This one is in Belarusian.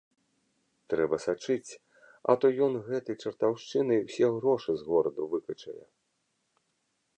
Трэба сачыць, а то ён гэтай чартаўшчынай усе грошы з гораду выкачае.